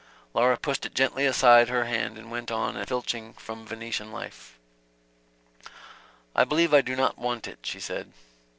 Laura pushed it gently aside with her hand and went on and went on filching from "Venetian Life." "I believe I do not want it," she said.